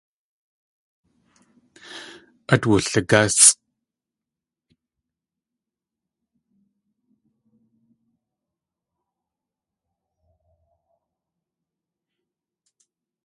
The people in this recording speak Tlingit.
Át wuligásʼ.